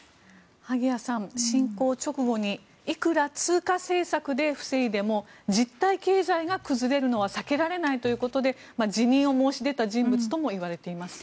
萩谷さん、侵攻直後にいくら通貨政策で防いでも実体経済が崩れるのは避けられないということで辞任を申し出た人物ともいわれています。